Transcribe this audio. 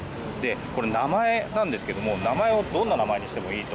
これ、名前なんですけども名前をどんな名前にしてもいいと。